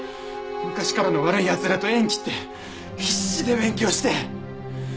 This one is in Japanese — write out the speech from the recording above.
昔からの悪い奴らと縁切って必死で勉強して。